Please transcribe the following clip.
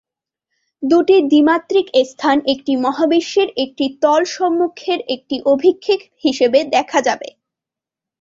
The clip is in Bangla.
দুটি দ্বিমাত্রিক স্থান একটি মহাবিশ্বের একটি তল সম্মুখের একটি অভিক্ষেপ হিসাবে দেখা যাবে।